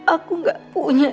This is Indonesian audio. aku gak punya